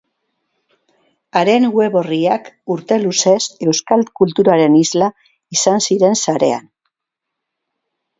Haren web orriak urte luzez euskal kulturaren isla izan ziren sarean.